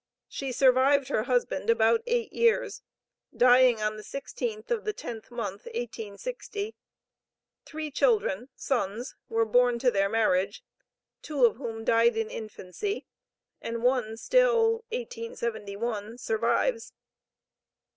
She survived her husband about eight years, dying on the sixteenth of the tenth month, 1860. Three children, sons, were born to their marriage, two of whom died in infancy and one still (1871) survives.